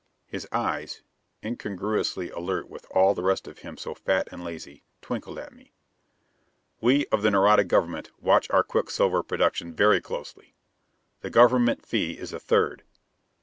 His eyes, incongruously alert with all the rest of him so fat and lazy, twinkled at me. "We of the Nareda Government watch our quicksilver production very closely. The government fee is a third."